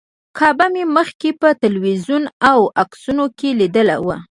کعبه مې مخکې په تلویزیون او عکسونو کې لیدلې وه.